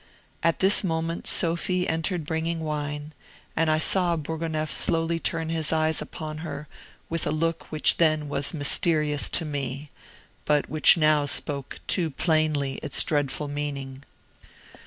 At this moment Sophie entered bringing wine, and I saw Bourgonef slowly turn his eyes upon her with a look which then was mysterious to me, but which now spoke too plainly its dreadful meaning.